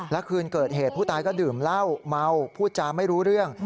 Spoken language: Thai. และคืนเกิดเหตุผู้ตายก็ดื่มเหล้าเมาพูดจาไม่รู้เรื่อง